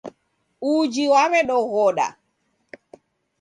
Uji waw'edoghoda.